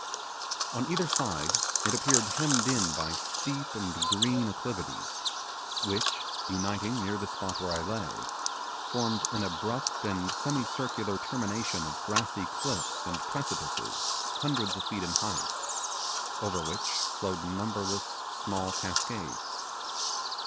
On either side it appeared hemmed in by steep and green acclivities, which, uniting near the spot where I lay, formed an abrupt and semicircular termination of grassy cliffs and precipices hundreds of feet in height, over which flowed numberless small cascades.